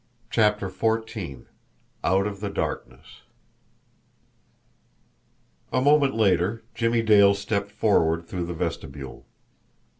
CHAPTER XIV OUT OF THE DARKNESS A moment later, Jimmie Dale stepped forward through the vestibule.